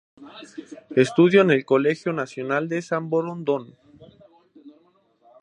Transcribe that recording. Estudió en el Colegio Nacional de Samborondón.